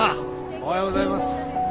おはようございます。